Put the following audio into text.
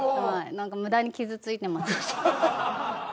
はい何か無駄に傷ついてます。